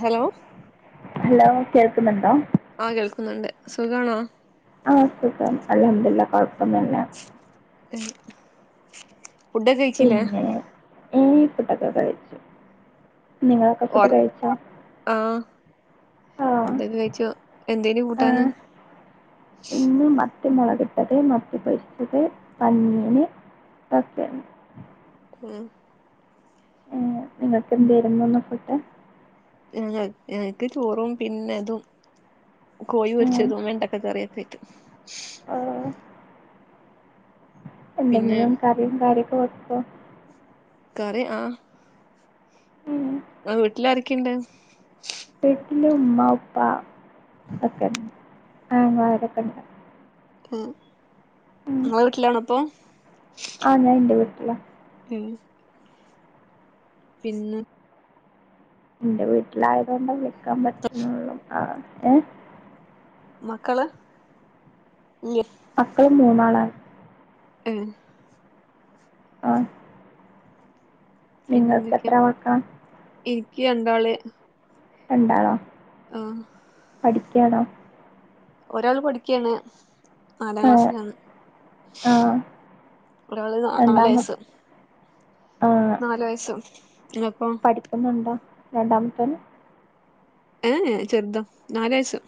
Hello hello കേൾക്കുന്നുണ്ടോ ആഹ് കേൾക്കുന്നുണ്ട് സുഖാണോ ആഹ് സുഖം അല്ലാംദുലില്ലാഹ് കൊഴപ്പൊന്നുല്ല ഏഹ് പിന്നെ ഏഹ് ഫുഡ് ഒക്കെ കഴിച്ചു നിങ്ങളൊക്കെ ഫുഡ് ഓർ കഴിച്ചോ ആ ആഹ് എന്താർന്ന് കൂട്ടാണ് ഇന്ന് മത്തി മുളക് ഇട്ടത് മത്തി പൊരിച്ചത് പഞ്ഞിമീന് ഒക്കെ ഉം ഏഹ് നിങ്ങൾക്ക് എന്തായിരുന്നു ഇന്ന് ഫുഡ് ഏഹ് ഞങ്ങൾക്ക് ചോറും പിന്നെ ഇതും കോയി പൊരിച്ചതും വെണ്ടക്ക കറിയൊക്കെ ആയിട്ട് ആഹ് പിന്നെ എന്തെങ്കിലും കറിയും കാര്യൊക്കെ വെക്കോ കറി ആഹ് ഉം ആഹ് വീട്ടിലാരൊക്കെ ഉണ്ട് വീട്ടില് ഉമ്മ ഉപ്പ ഒക്കെ ആങ്ങളമാരൊക്കെ ഉണ്ട് ഉം ഉം. നിങ്ങള് വീട്ടിലാണോ ഇപ്പൊ ആ ഞാൻ എൻ്റെ വീട്ടിലാണ് ഉം പിന്നെ എൻ്റെ വീട്ടിലായതുകൊണ്ട് വിളിക്കാൻ പറ്റനെയൊല്ലു ആഹ് ഏഹ് മക്കള് ഇല്ലേ മക്കളും മൂന്നാളായി ഏഹ് ആഹ് നിങ്ങൾക്ക് എത്ര വെക്കാം? ക്ക്‌ രണ്ടാള്. രണ്ടാളോ? ആഹ് പഠിക്കാണോ? ഒരാൾ പഠിക്കയാണ്. നാലാം ഏ ക്ലാസ്സിലാണ്. ആ ഒരാള് രണ്ടാമ നാലയസ്സ് ആ നാല് വയസും പഠിക്കുന്നുണ്ടോ രണ്ടാമത്തന്? ഏഹ് ചെറുതാ നാലയസ്,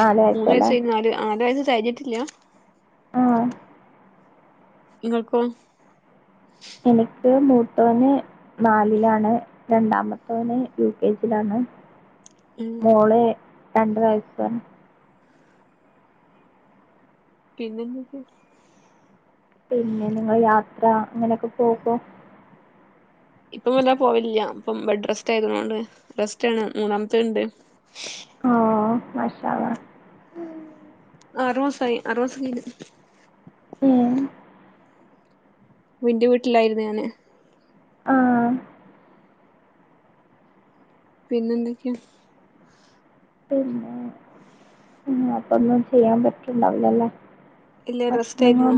നാല് വയസ്സല്ലേ മൂന്നയസ് കഴിഞ്ഞു നാല് നാലയ കഴഞ്ഞിട്ടില്ല്യാ ആഹ് നിങ്ങൾക്കോ? എനിക്ക് മൂത്തവന് നാലിലാണ്, രണ്ടാമത്തവന് യു കെ ജിലാണ്. [inaudible] മോള് രണ്ട് വയസ പിന്നെന്തൊക്കെയ? പിന്നെ നിങ്ങള് യാത്ര അങ്ങനെയൊക്കെ പോകോ? ഇപ്പം വല്ലാ പോവിലില്ല്യാ ഇപ്പം ബെഡ് റെസ്റ്റ് ആയതുകൊണ്ട് റെസ്റ്റ് ആണ് മൂന്നാമത്തെ ഉണ്ട് അഹ് മാഷാ അള്ളാ അറൂസായി ആറോസം കഴിഞ്ഞ് ഉം നിന്റെ വീട്ടിലായിരുന്നു ഞാന് ആഹ് പിന്നെ എന്തൊക്കെയാ? പിന്നെ ഉം അപ്പൊന്നും ചെയ്യാൻ പറ്റുണ്ടാവില്ലല്ലേ? ഇല്ല റസ്റ്റ് ആയിരുന്നു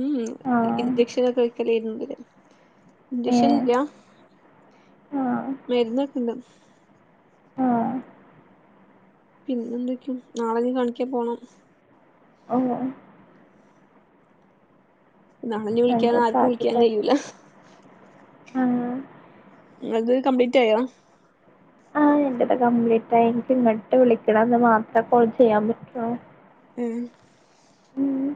മം ആ ഇൻചക്ഷനൊക്കെ വക്കലാരുന്നിന്നലെ. ഏ ഇഞ്ചഷനില്ല ആ മരുന്നൊക്കെണ്ട് ആ പിന്നെന്തൊക്കെയും നാളെ ഇനി കാണിക്കാം പോണം ഓ ഓ നാളന്നെ വിളിക്കാൻ ആർക്കും വിളിക്കാൻ കയൂല മ് കംപ്ലീറ്റ് ആയോ? ആഹ് എന്റത് കംപ്ലീറ്റ് ആയി. എനിക്ക് ഇങ്ങട്ട് വിളിക്കണം ന്ന് മാത്രം കോൾ ചെയ്യാൻ പറ്റുവോ? ഏഹ് മം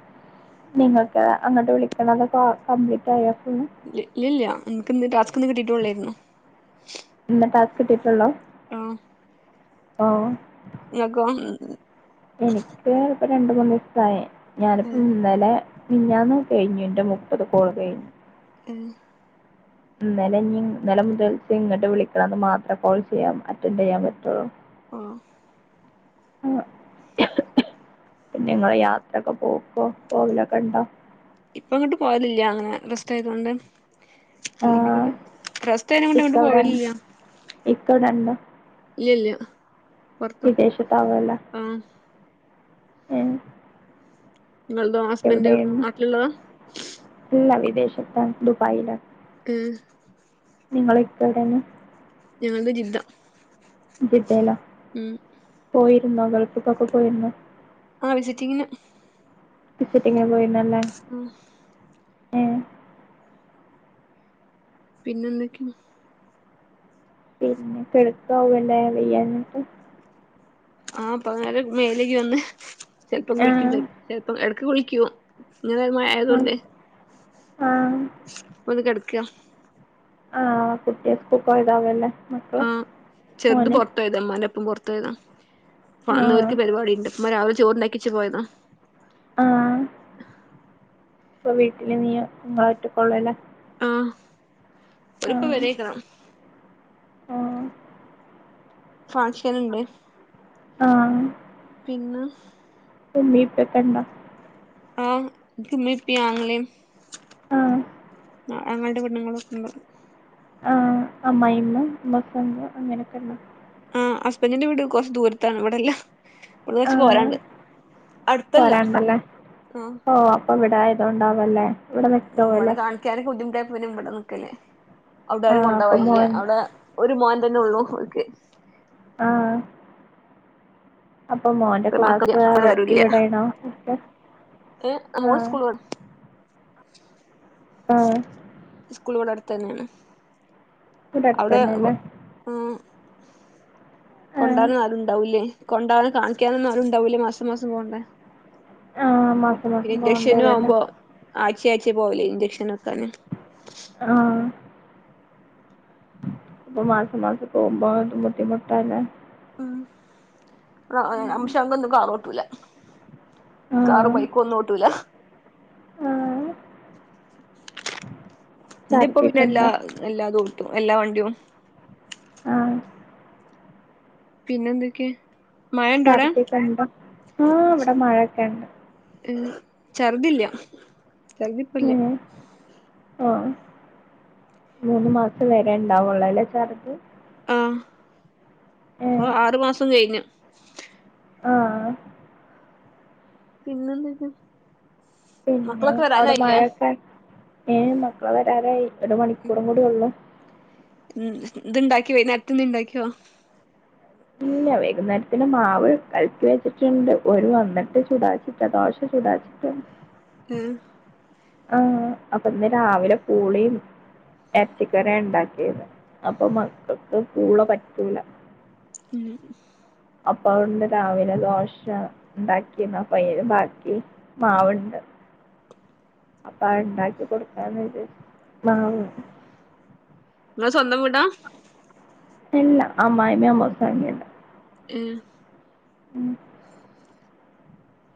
നിങ്ങൾക്ക് അങ്ങോട്ട് വിളിക്കണത് ക കംപ്ലീറ്റായോ? ഇല് ഇല്ല്യാ ഇൻക്ക്ന്ന് ടാസ്ക്ന്ന് കിട്ടിയിട്ടോള്ളായിരുന്നു ഇന്ന് ടാസ്ക് കിട്ടിയിട്ടുള്ളോ? ആഹ് ആഹ് ങ്ങക്കോ? എനിക്ക് ഇപ്പ രണ്ട് മൂന്നു ദിവസായി ഉം ഞാനിപ്പോ ഇന്നലെ നിഞ്ഞാന്ന് കഴിഞ്ഞു എന്റെ മുപ്പത് കോള് കഴിഞ്ഞു. ഏഹ് ഇന്നലെ ഇൻ ഇന്നലെ മുതൽ ഇങ്ങിട്ട് വിളിക്കണത് മാത്രേ കോൾ ചെയ്യാം അറ്റൻഡ് ചെയ്യാൻ പറ്റുള്ളൂ. ആഹ് ആഹ് പിന്നെ ഇങ്ങള് യാത്രയൊക്കെ പോക്കോ പോവലൊക്കെ ഇണ്ടോ ഇപ്പങ്ങട്ട് പോവലില്ല്യ അങ്ങനെ റെസ്റ്റായതു കൊണ്ട് അല്ലെങ്കി ആഹ് പിന്നെ റെസ്റ്റായിനെ കൊണ്ട് ഇക്ക എങ്ങോട്ടും ഇവിടെ പോവലില്ല്യ ഇക്ക ഇവിടെ ഇല്ല്യല്ല്യാ വിദേശത്താവു അല്ലാ ആഹ് ഏഹ് നിങ്ങൾടെ ഹസ്ബൻഡ് എവിടെയായിരുന്നു നാട്ടില്ള്ളതാ? ഇല്ല വിദേശത്താണ് ദുബായിലാണ് ഉം നിങ്ങള് ഇപ്പെവ്ടേണ് ഞങ്ങളത് ജിദ്ദ ജിദ്ദേലോ ഉം പോയിരുന്നോ ഗൾഫ്ക്കൊക്കെ പോയിരുന്നോ ആഹ് വിസിറ്റിങ്ങിന് വിസിറ്റിങ്ങിന് പോയിര്ന്നാ ആഹ് ഉം പിന്നെന്തൊക്കെയാ പിന്നെ കെടക്കാവു അല്ലേ വയ്യാഞ്ഞിട്ട് ആഹ് ഇപ്പ നേരെ മേല് കയ്കി വന്ന് ചെൽപ്പം കുളിക്കും ആഹ് ചെൽ ചെൽപ്പം എടക്ക് കുളിക്ക്യും ഇങ്ങനൊരു മഴയായതു ആഹ് കൊണ്ടേ ആഹ് [unintelligible] കെടക്കാ ആഹ് കുട്ടിയ സ്കൂൾ പോയതാവല്ലേ ആഹ് ചെറുത് പൊറത്തോയതാ ഉമ്മാൻ്റൊപ്പം പൊറത്തോയതാ ഫ ആഹ് അന്നിവർക്ക് പരിപാടി ഇണ്ട് ഉമ്മ രാവി ചോറ്ണ്ടാക്കി വെച്ച് പോയതാ ആഹ് ഇപ്പൊ വീട്ടില് നീയ് നിങ്ങളൊറ്റക്കൊള്ളൂല്ലേ ആഹ് ഓരിപ്പ [unintelligible] ആഹ് ഫങ്ഷന്ണ്ട് ആഹ് ആഹ് പിന്ന ഉമ്മീ ഉപ്പായൊക്കെണ്ടാ ആഹ് ഇനിക്കു ഉമ്മേം ഉപ്പേം ആങ്ങളേം ആഹ് ആഹ് ആങ്ങളെൻ്റ പെണ്ണുങ്ങളും [unintelligible] ആഹ് അമ്മായിമ്മ [unintelligible] അങ്ങനൊക്കെണ്ടാ ആഹ് ഹസ്ബൻഡിൻ്റ വീട് കൊറച്ച് ദൂരത്താണ് ഇവടല്ല ഇവടന്ന് കൊറച്ച് ആഹ് പോരാണ്ട് അടുത്തല്ല പോരാണ്ടല്ലേ ആഹ് അതൊണ്ടാവല്ലേ ഉം അവടെ കാണിക്കാനൊക്കെ ബുദ്ധിമുട്ടായപ്പൊ പിന്നെ ഇവടെ നിക്കല്ലേ അവ്ടെ ആരും ആഹ് അപ്പൊ കൊണ്ടോവാല്ല്യാ മോൻ അവടെ ഒരു മോൻ തന്നെ ഉള്ളൂ ഓർക്ക് ആഹ് അപ്പൊ മോന്റെ ക്ലാസ് മക്കള് ഇവ വേറാരുല്ല ഇവടേണോ ഒക്കെ ഏഹ് അ ഓൻ ആഹ് സ്കൂള് [unintelligible] ആഹ് സ്കൂളിവടടുത്തന്നേണ് ഇവിടെ അവടെ പ അടുത്തന്നെല്ലേ ആഹ് ആഹ് കൊണ്ടാനൊന്നാരുണ്ടാവൂലേ കൊണ്ടാനും കാണിക്ക്യാനൊന്നും ആരുണ്ടാവൂലേ മാസം മാസം പോണ്ടേ ആ, മാസം പിന്നെ മാസം പോകേണ്ടി ഇൻജക്ഷനും വരുമല്ലേ ആവുമ്പോ ആഴ്ച്ചേ ആഴ്ച്ചേ പോവലേ ഇൻജക്ഷനെട്ക്കാന് ഇപ്പൊ മാസം മാസം പോവുമ്പോ അത് ബുദ്ധിമുട്ടാല്ലേ ഉ ഉം. അംഷ അങ്ക ഒന്നും ആളോട്ടൂല്ല കാറ ബൈക്കും ഒന്നും ഓട്ടൂല ആഹ ഇന്റെ ഇപ്പ പിന്നെ ഛർദിയൊക്കെ എല്ലാ ഉണ്ടോ എല്ലാ [unintelligible] എല്ലാ വണ്ടിയും ആഹ് പിന്നെന്തൊക്കെ ഛർദിക്കെ ഉണ്ടോ ആഹ് ഇവിടെ മഴൊക്കെ ഉണ്ട് ചെറുതില്ല ഉം ആഓ മൂന്ന് മാസം വരെ ഉണ്ടാവള്ളല ചർജ ആഹ ഇപ്പൊ ആറു മാസം കഴിഞ്ഞു ആഹ പിന്നെന്തൊക്കെ പിന്നെ മക്കളൊക്കെ അവിടെ വരാനായില്ലേ മഴയൊക്കെ ഏ മക്കളെ വരാറായി ഒരു മണിക്കൂറും കൂടി ഉള്ളു മ്മ് ഇത്ണ്ടാക്കിയോ വോയി നേരത്തെന്ന ഇണ്ടാക്കിയോ ഇല്ല വൈകുന്നേരത്തിന് മാവ് കലക്കി വെച്ചിട്ടുണ്ട് ഒരു വന്നിട്ട് ചുടാച്ചിചിട്ട ദോശ ചുടാച്ചി [unintelligible] ആ ആഹ അപ്പൊ ഇന്ന് രാവിലെ പൂളേം ഇറച്ചിക്കറി ഉണ്ടാക്കിയത് അപ്പൊ മക്കക്ക് കൂള പറ്റൂല മ്മ്മ് അപ്പ കൊണ്ട് രാവിലെ ദോശ ഉണ്ടാക്കിന്ന പയ ബാക്കി മാവുണ്ട് [unintelligible] അപ്പൊ അ ഉണ്ടാക്കി കൊടുക്കാനായിത് മാവ് നി സ്വന്തം വീടാ എല്ല അമ്മായിമ അമ്മഉണ്ടാക്കിത്ത ഏ ഉ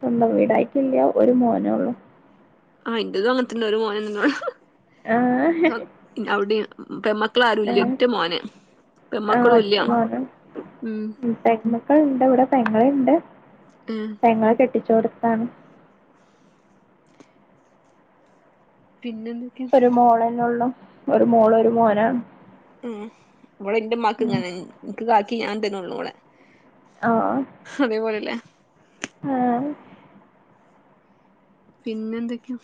സ്വന്തം വീടായിക്കില്ലയ ഒരു മോനേ ഉള്ളൂ ആഹ എന്റെതും അങ്ങനത്തെന്ന ഒരു മോനോ ആഹ പെമക്കള ആരുല്ലറ്റ മോനെ ആഹ് പെമക്കളും ഇല്ല ഒറ്റ ഉം മക്കളുണ്ട് ഇവിടെ പെങ്ങളുണ്ട് ഏഹ് പെങ്ങളെ കെട്ടിച് കൊടുത്താണ് പിന്നെന്തൊക്കെ ഒരു മോളന്നള്ള ഒരു മോളു ഒരു മോനാണ് ഉ ഇവിടെ എന്റെ മക്ക് ഉം ഇങ്ങനെ നിനക്ക് കാക്കി ഞാൻ തന്നെ ഉള്ളു ഇവിടെ അതേപോലെല്ലേ ആഹ പിന്നെ എന്തൊക്കെയാ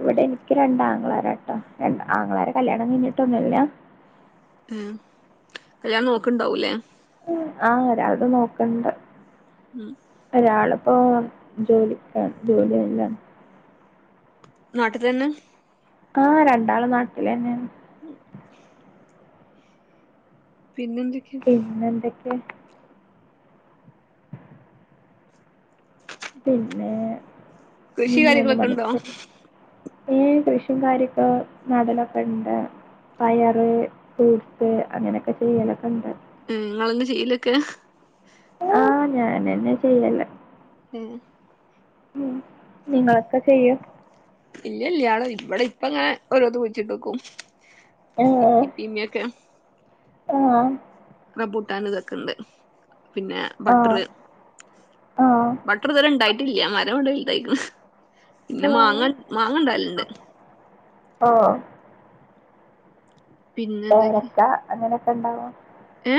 ഇവിടെ എനിക്ക് രണ്ട ആംഗങ്ങളാര കേട്ടോ ര ആങ്ങളരുടെ കല്യാണം കഴിഞ്ഞിട്ടൊന്നുംല്ല ഉ കല്യാണം നോക്കണ്ടാവുല്ലേ ഉ ആ ഒരാളുടെ നോക്കണ്ട ഉം ഒരാള് അപ്പ ജോലിക്ക ജോലിയായില്ല നാടിത്തന്നെ ആഹ രണ്ടാള് നാട്ടില തന്നെ ഉം പിന്നെന്തൊക്കെയ ഉ പിന്നെ ഇനി കൃഷി മൂന്ന് കാര്യങ്ങളൊക്കെ ഇണ്ടോ മണിക്കൂർ ഏ കൃഷും കാര്യൊക്ക നടലൊക്കെ ഇണ്ട് പയറ് ഫ്രൂട്സ് അങ്ങനെയൊക്കെ ചെയ്യലൊക്കെ ഉണ്ട് മ്മ് ങ്ങൾന്ന് ചിയിലിൽവെയ്ക്കു ആഹ് ഞാൻന്ന് ചെയ്യല്ല ഉ ഉ നിങ്ങളൊക്കെ ചെയോ ഇല്ല ഇല്ല യാള് ഇവിടെ ഇപ്പ ഇങ്ങനെ ഓരോന്ന് കുഴിച്ചിട്ടോക്കും ഇപ്പി ഇപ്പമയൊക്കെ ആ റമ്പുട്ടാൻ ഇതൊക്കെ ഉണ്ട് പിന്നെ ആ ബട്ടർ ആ ബട്ടർ ഇതുവരെ ഇണ്ടായിട്ടില്ല മരം ഇവിടെ വല്ദായിക്കണ് പിന്നെ ആ മാങ്ങ മാങ്ങണ്ടാല്ലിണ്ട് ആ പിന്നെ എന്തൊക്കെ ഏലക്ക അങ്ങനെയൊക്കെ ഉണ്ടാവോ ഏ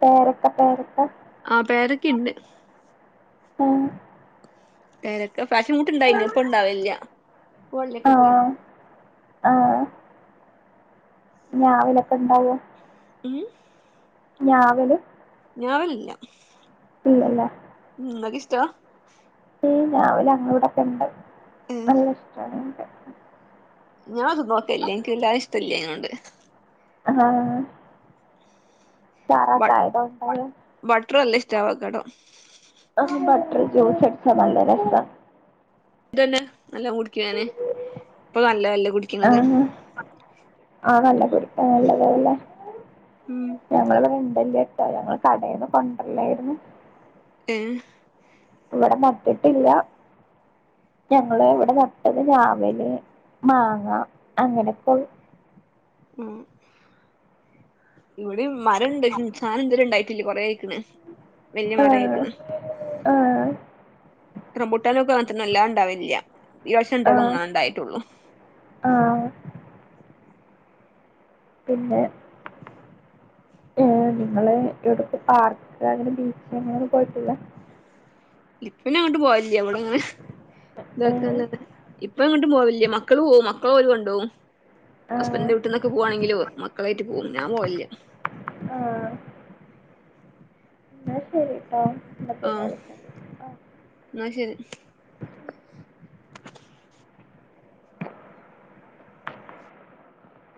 പേരക്ക പേര ആ പേരക്കിണ്ട് ഉം പേരക്ക ഫാഷൻഫ്രൂട്ട് ഇണ്ടായിന്ന് ഇപ്പണ്ടാവലില്ല വള്ളിഒക്കെ ആ പോയി ആ ഞാവലൊക്കെ ഇണ്ടാവോ ഉം ഞാവല് ഞാവലില്ല ഇല്ലല്ലേ [unintelligible] ഈ ഞാവൽ ഞങ്ങളെ ഇവിടൊക്കെ ഉണ്ട് നല്ല ഇഷ്ടമാണ് നിക്ക് ഞാ അത് നോക്കല്ല എനക്ക്ല്ലതെ ഇഷ്ട്ടല്ല ആയിക്കൊണ്ട് ആഹ തായേ കായികൾ ഉണ്ടാവേ [unintelligible] ഇത്രയും യല്ല ഇഷ്ടാ അവക്കാടോ ആ ബട്ടർ ജ്യൂസ് അടിച്ചാ നല്ല രസമാണ് ഇതന്നെ നല്ല കുടിക്കാന് ഇപ്പൊ നല്ലഅല്ലേ ആ കുടിക്കണത് ആ നല്ല കുടിക്കാൻ നല്ലതല്ലേ ഉം ഞങ്ങൾ പറ [unintelligible] ഞങ്ങൾ കടന്ന് കൊണ്ടല്ലായിരുന്നു ഏ ഇവിടെ നട്ടിട്ടില്ല ഞങ്ങള് ഇവിടെ നട്ടത് ഞാവൽ മാങ്ങ അങ്ങനെപ്പോൾ ഉം ഇവിടെ മരം ഇണ്ട് സാനം എന്തിലും ഉണ്ടായി ല് കൊറെ ആയികണ് വലിയ ആഹ് മരയിക്കണ് ആഹ് റംബൂട്ടാൻഒക്കെ അല്ലതെ ഉണ്ടാവില്ല ഈ വർഷം ആഹ് തൊടങ്ങനെണ്ടായിട്ടുള്ളൂ ആഹ് പിന്നെ [inaudible] ഏ നിങ്ങള് എട്ത്തിപ്പോ പാർക്ക് അങ്ങനെ ബീച്ച് അങ്ങനെയും പോയിട്ടില്ല ഇപ്പോഞാ എങ്ങോട്ടും പോയ ഇല്ല ഇവ്ടെങ്ങനെ ഏഹ് ദാക്കന്നലത്തെ ഇപ്പോഎങ്ങോട്ടും പോവില്ല മക്കള് പോകും ഇപ്പൊ അവര് കൊണ്ടോവും ആഹ് ഹസ്ബൻഡിന്റെ വീട്ട്ന്നൊക്കെ പോകവാണെങ്കിലും മക്കളെറ്റ് പോകവും ഞാൻ പോവില്ല എന്ന ശരി ആഇന്നാ ശരി